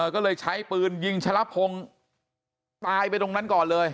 ก็เลยใช้ปืนยิงชะละพงศ์ตายไปตรงนั้นก่อนเลย